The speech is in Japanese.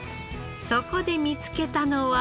そこで見つけたのは。